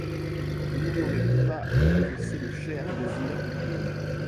Vous n'ignorez pas que c'est le cher désir de Guillaume.